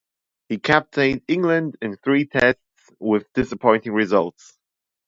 He captained England in three Tests with disappointing results.